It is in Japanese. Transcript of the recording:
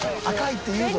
赤い！